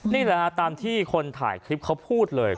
นี่แหละฮะตามที่คนถ่ายคลิปเขาพูดเลย